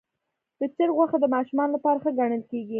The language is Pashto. د چرګ غوښه د ماشومانو لپاره ښه ګڼل کېږي.